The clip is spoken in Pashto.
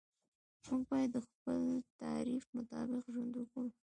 موږ باید د خپل تعریف مطابق ژوند وکړو.